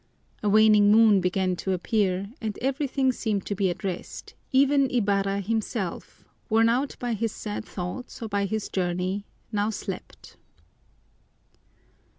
A waning moon began to appear, and everything seemed to be at rest; even Ibarra himself, worn out by his sad thoughts or by his journey, now slept.